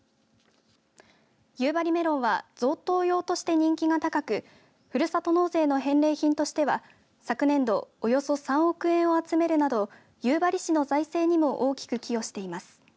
夕張メロンは贈答用として人気が高くふるさと納税の返礼品としては昨年度およそ３億円を集めるなど夕張市の財政にも大きく寄与しています。